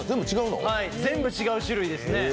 全部違う種類ですね。